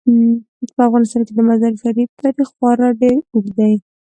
په افغانستان کې د مزارشریف تاریخ خورا ډیر اوږد تاریخ دی.